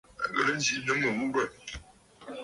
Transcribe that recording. À ghɨ̀rə nzì nɨ mɨ̀ghurə̀.